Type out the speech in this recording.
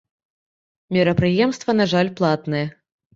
Мерапрыемства, на жаль, платнае!